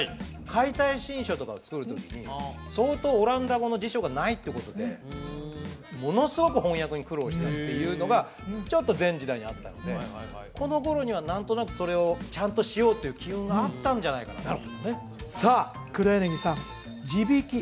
解体新書とかを作るときに相当オランダ語の辞書がないってことでものすごく翻訳に苦労したっていうのがちょっと前時代にあったのでこの頃には何となくそれをちゃんとしようっていう機運があったんじゃないかなとなるほどねさあ黒柳さん「字引き」